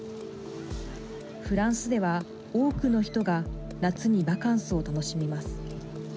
フランスでは多くの人が夏にバカンスを楽しみます。